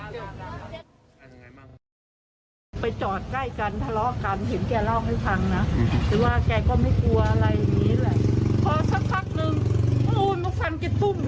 หรือว่าแกก็ไม่กลัวอะไรอย่างนี้แหละพอสักสักนึงโอ้ยมันฟันกี่ตุ้งเลย